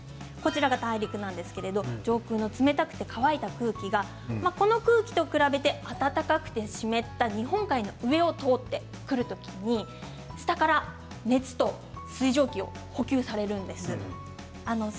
大陸上空の冷たくて乾いた空気これと比べて暖かくて湿った日本海の上を通ってくる時に下から熱と水蒸気を補給されるんです。